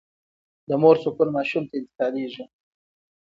د مور سکون ماشوم ته انتقالېږي.